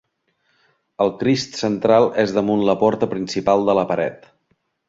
El Crist central és damunt la porta principal de la paret.